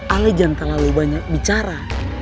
ale jangan terlalu banyak bicara